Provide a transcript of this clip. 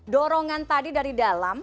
dorongan tadi dari dalam